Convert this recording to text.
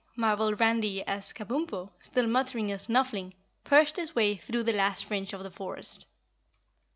marveled Randy as Kabumpo, still muttering and snuffling, pushed his way through the last fringe of the forest.